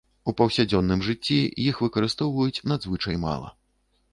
У паўсядзённым жыцці іх выкарыстоўваюць надзвычай мала.